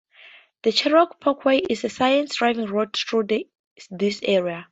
The Cherokee Parkway is a scenic driving route through this area.